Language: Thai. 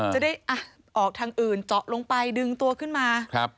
จะได้ออกทางอื่นเจาะลงไปดึงตัวขึ้นมา